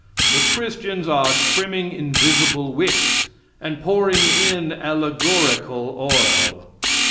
The Christians are trimming invisible wicks and pouring in allegorical oil.